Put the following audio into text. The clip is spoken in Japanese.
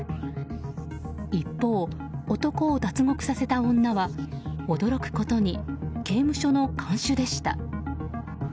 一方、男を脱獄させた女は驚くことに刑務所の看守でした。